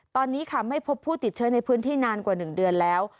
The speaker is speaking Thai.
ตอนนี้ค่ะไม่พบผู้ติดเชื้อในพื้นที่นานกว่า๑เดือนแล้ว